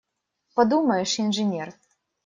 Подумаешь – инженер!